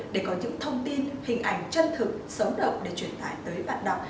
để có những thông tin hình ảnh chân thực sống động để truyền tải tới bạn đọc